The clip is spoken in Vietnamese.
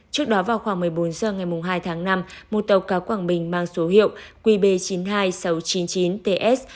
trước đó vào khoảng một mươi bốn h ngày hai tháng năm một tàu cá quảng bình mang số hiệu qb chín mươi hai nghìn sáu trăm chín mươi chín ts